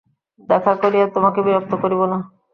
দেখা করিয়া তোমাকে বিরক্ত করিব না।